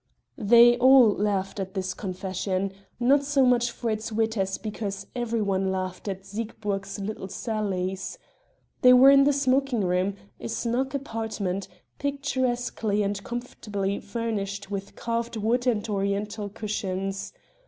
They all laughed at this confession, not so much for its wit as because every one laughed at Siegburg's little sallies. They were in the smoking room, a snug apartment, picturesquely and comfortably furnished with carved wood and oriental cushions.